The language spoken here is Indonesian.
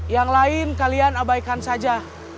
yang lain kalian abaikan saja